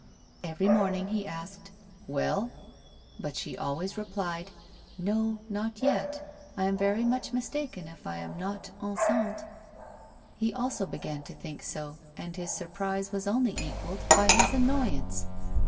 Every morning he asked, " Well V but she always replied: " No, not yet ; I am very much mistaken if I am not enceinte." He also began to think so, and his surprise was only equalled by his annoyance.